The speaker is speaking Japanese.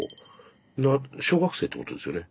小学生ってことですよね？